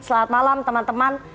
selamat malam teman teman